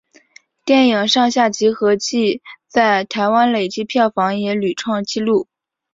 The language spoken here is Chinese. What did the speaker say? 电影上下集合计在台湾累积票房也屡创纪录。